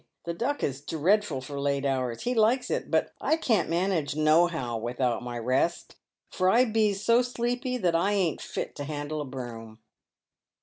The Duck is dreadful for late hours — he likes it ; but I can't manage nohow without my rest, for I bees so sleepy that I ain't fit to handle a broom."